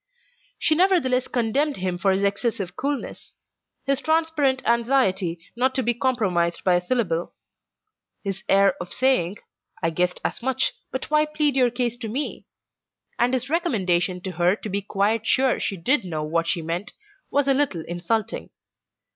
She nevertheless condemned him for his excessive coolness; his transparent anxiety not to be compromised by a syllable; his air of saying, "I guessed as much, but why plead your case to me?" And his recommendation to her to be quite sure she did know what she meant, was a little insulting.